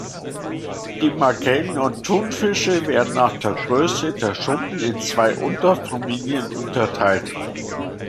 Die Makrelen und Thunfische werden nach der Größe der Schuppen in zwei Unterfamilien unterteilt.